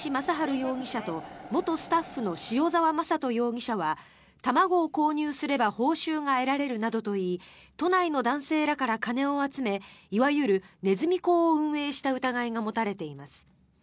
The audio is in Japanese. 容疑者と元スタッフの塩澤正人容疑者は卵を購入すれば報酬が得られるなどと言い都内の男性らから金を集めいわゆるネズミ講を運営した疑いが持たれています。